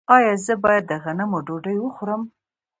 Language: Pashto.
ایا زه باید د غنمو ډوډۍ وخورم؟